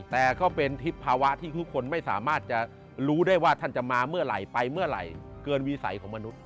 แต่ก็เป็นทิศภาวะที่ทุกคนไม่สามารถจะรู้ได้ว่าท่านจะมาเมื่อไหร่ไปเมื่อไหร่เกินวิสัยของมนุษย